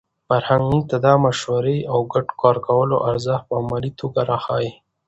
فرهنګ موږ ته د مشورې او ګډ کار کولو ارزښت په عملي توګه راښيي.